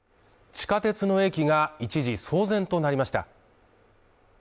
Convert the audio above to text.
地下鉄の駅が一時騒然となりました。